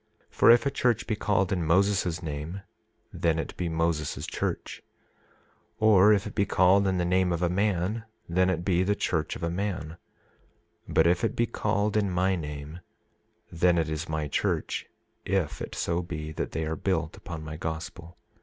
For if a church be called in Moses' name then it be Moses' church; or if it be called in the name of a man then it be the church of a man; but if it be called in my name then it is my church, if it so be that they are built upon my gospel.